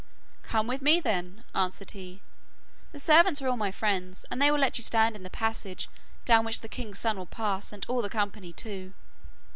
'Come with me, then,' answered he; 'the servants are all my friends, and they will let you stand in the passage down which the king's son will pass, and all the company too.